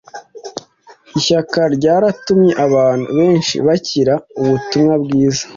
ishyaka ryaratumye abantu benshi bakira ubutumwa bwiza